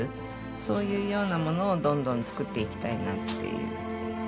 そういうようなものをどんどん作っていきたいなっていう。